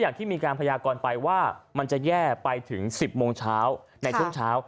อย่างที่มีการพยากรไปที่จะแย่ไปถึง๑๐โมงเช้า